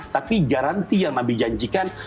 tapi garanti yang nabi janjikan